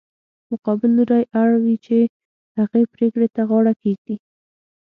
مقابل لوری اړ وي چې هغې پرېکړې ته غاړه کېږدي.